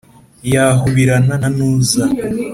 yahubirana na ntuza,